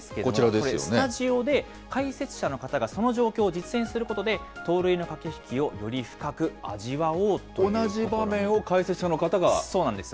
これ、スタジオで解説者の方がその状況を実演することで、盗塁の駆け引きをより深く味わおうということなんです。